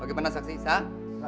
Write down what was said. bagaimana saksi sah